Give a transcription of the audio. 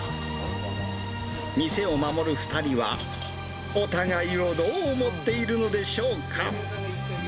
店を守る２人は、お互いをどう思っているのでしょうか。